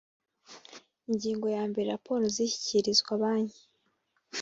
ingingo yambere raporo zishyikirizwa banki